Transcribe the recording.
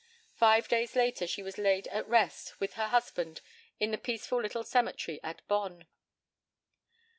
Five days later she was laid at rest with her husband in the peaceful little cemetery at Bonn.